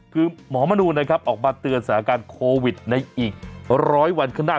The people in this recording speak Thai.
คือหมอมนูนะครับออกมาเตือนสถานการณ์โควิดในอีกร้อยวันข้างหน้า